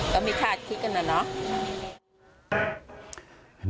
ก็มีชาติคลิกอันนั้นเนาะ